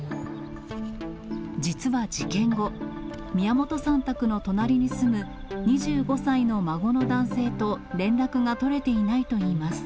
実は事件後、宮本さん宅の隣に住む２５歳の孫の男性と連絡が取れていないといいます。